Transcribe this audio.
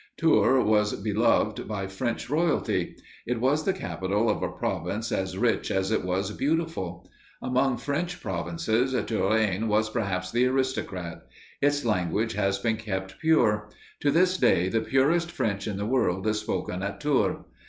Tours was beloved by French royalty. It was the capital of a province as rich as it was beautiful. Among French provinces, Touraine was always the aristocrat. Its language has been kept pure. To this day, the purest French in the world is spoken at Tours.